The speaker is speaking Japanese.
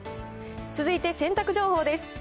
続いて洗濯情報です。